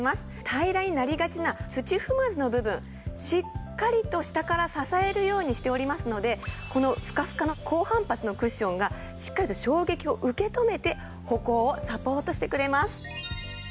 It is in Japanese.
平らになりがちな土踏まずの部分しっかりと下から支えるようにしておりますのでこのふかふかの高反発のクッションがしっかりと衝撃を受け止めて歩行をサポートしてくれます。